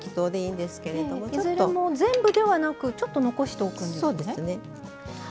いずれも全部ではなくちょっと残しておくんですね。